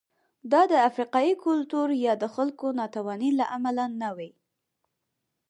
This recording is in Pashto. دا د افریقايي کلتور یا د خلکو ناتوانۍ له امله نه وې.